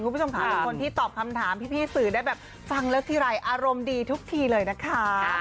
คุณผู้ชมค่ะเป็นคนที่ตอบคำถามพี่สื่อได้แบบฟังแล้วทีไรอารมณ์ดีทุกทีเลยนะคะ